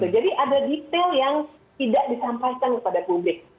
jadi ada detail yang tidak disampaikan kepada publik